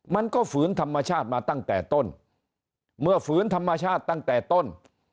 ฝืนธรรมชาติมาตั้งแต่ต้นเมื่อฝืนธรรมชาติตั้งแต่ต้น